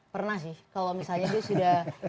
pernah sih kalau misalnya dia sudah